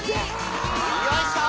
よいしょー。